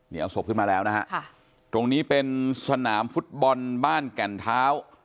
นี่เอาศพขึ้นมาแล้วนะฮะค่ะตรงนี้เป็นสนามฟุตบอลบ้านแก่นเท้า